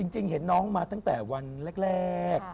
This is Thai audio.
จริงเห็นน้องมาตั้งแต่วันแรก